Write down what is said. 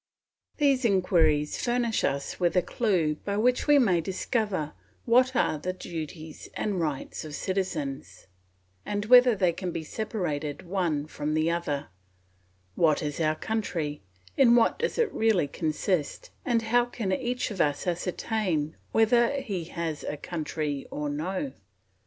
These inquiries furnish us with a clue by which we may discover what are the duties and rights of citizens, and whether they can be separated one from the other; what is our country, in what does it really consist, and how can each of us ascertain whether he has a country or no?